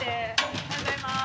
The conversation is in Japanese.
おはようございます。